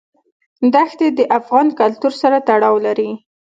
دښتې د افغان کلتور سره تړاو لري.